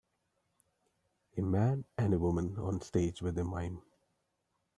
A man and a woman on stage with a mime.